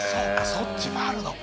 そっちもあるのか。